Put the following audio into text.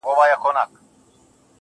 سترگي چي پټي كړي باڼه يې سره ورسي داسـي~